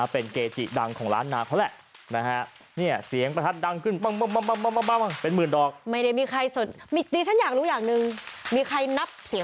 เป็นเกจิดังของร้านนานเพราะแหละเนี่ยเสียงประทัดดังขึ้น